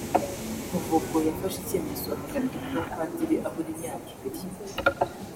Kuva ubwo yafashe icyemezo ahagarika kuba padiri abura imyaka ibiri